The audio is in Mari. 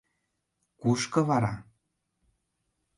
— Кушко вара?